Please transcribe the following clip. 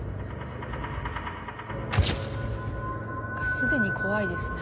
すでに怖いですね。